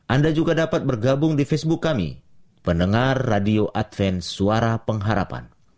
anda juga dapat bergabung di facebook kami pendengar radio advent suara pengharapan